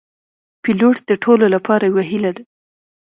پیلوټ د ټولو لپاره یو هیله ده.